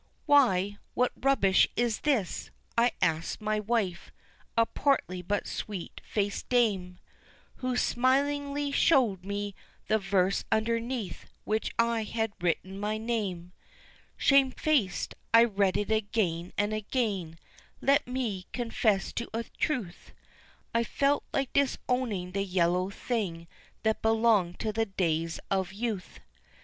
"Why what rubbish is this?" I asked my wife, a portly but sweet faced dame, Who smilingly showed me the verse underneath which I had written my name; Shamefaced, I read it again and again let me confess to a truth I felt like disowning the yellow thing that belonged to the days of youth.